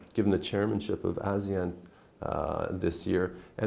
nhưng tôi nghĩ rằng cho chủ tịch của u n